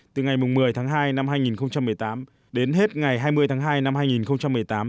từ ngày một mươi tháng hai năm hai nghìn một mươi tám đến hết ngày hai mươi tháng hai năm hai nghìn một mươi tám